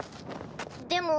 でも。